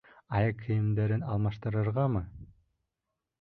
Аяҡ кейемдәрен алмаштырырғамы?